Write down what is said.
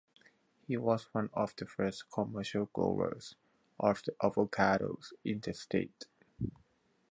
He was one of the first commercial growers of avocados in the State.